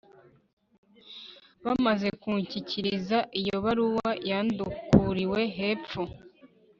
bamaze kunshyikiriza iyo baruwa yandukuriwe hepfo